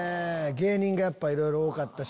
芸人がやっぱいろいろ多かったし。